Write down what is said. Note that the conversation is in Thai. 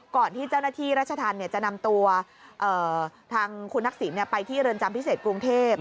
ก่อนที่เจ้าหน้าที่รัชธรรมจะนำตัวทางคุณทักษิณไปที่เรือนจำพิเศษกรุงเทพ